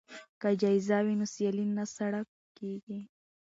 که جایزه وي نو سیالي نه سړه کیږي.